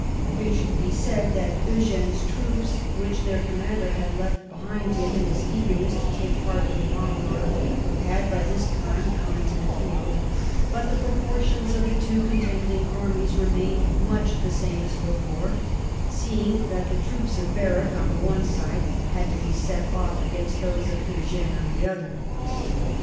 It should be said that Eugene's troops, which their commander had left behind him in his eagerness to take part with Marlborough, had by this time come into the field, but the proportions of the two contending armies remained much the same as before, seeing that the troops of Berwick on the one side had to be set off against those of Eugene on the other.